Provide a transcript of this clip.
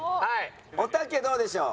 おたけどうでしょう？